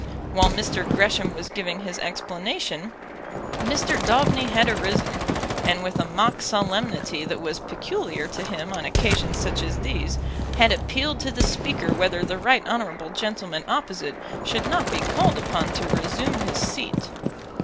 While Mr. Gresham was giving his explanation, Mr. Daubeny had arisen, and with a mock solemnity that was peculiar to him on occasions such as these, had appealed to the Speaker whether the right honourable gentleman opposite should not be called upon to resume his seat.